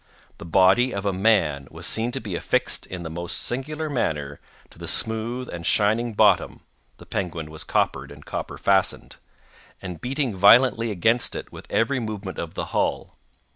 The body of a man was seen to be affixed in the most singular manner to the smooth and shining bottom (the Penguin was coppered and copper fastened), and beating violently against it with every movement of the hull.